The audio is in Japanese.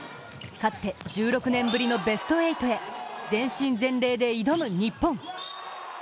勝って１６年ぶりのベスト８へ、全身全霊で挑む日本。